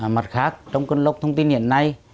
mặt khác trong cơn lốc thông tin hiện nay